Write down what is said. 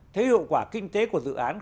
thế hiệu quả kinh tế của dự án